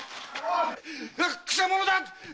くせ者だっ！